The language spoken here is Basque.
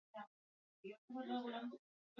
Nekatuta nago, etengabe.